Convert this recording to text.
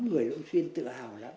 người lộ xuyên tự hào lắm